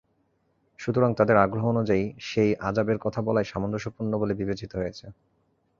সুতরাং তাদের আগ্রহ অনুযায়ী সেই আযাবের কথা বলাই সামঞ্জস্যপূর্ণ বলে বিবেচিত হয়েছে।